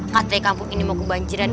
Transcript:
katanya kampung ini mau kebanjiran